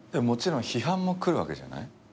もちろん批判も来るわけじゃない。